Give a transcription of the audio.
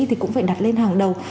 thì cũng phải đặt lên hàng đầu